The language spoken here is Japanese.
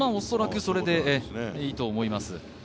恐らくそれでいいと思います。